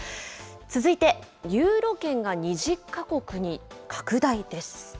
続いて、ユーロ圏が２０か国に拡大です。